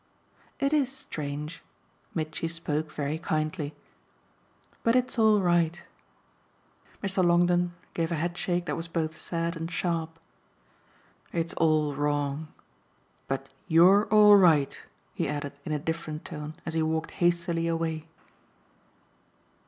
"It IS strange." Mitchy spoke very kindly. "But it's all right." Mr. Longdon gave a headshake that was both sad and sharp. "It's all wrong. But YOU'RE all right!" he added in a different tone as he walked hastily away.